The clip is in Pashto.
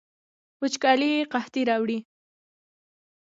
وچکالي قحطي راوړي